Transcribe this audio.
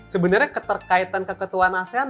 sebenarnya keterkaitan keketuan asean